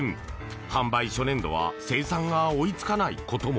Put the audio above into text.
販売初年度は生産が追いつかないことも。